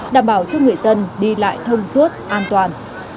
đảm bảo cho người dân đi lại thông suốt an toàn